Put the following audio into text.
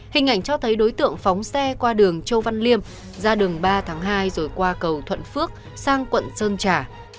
hình ảnh cho thấy đối tượng phóng xe qua đường châu văn liêm ra đường ba tháng hai rồi qua cầu thuận phước sang quận sơn trà